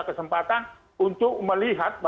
kesempatan untuk melihat